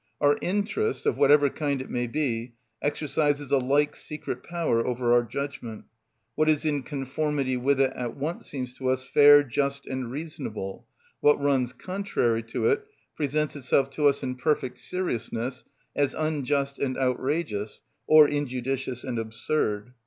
Our interest, of whatever kind it may be, exercises a like secret power over our judgment; what is in conformity with it at once seems to us fair, just, and reasonable; what runs contrary to it presents itself to us, in perfect seriousness, as unjust and outrageous, or injudicious and absurd.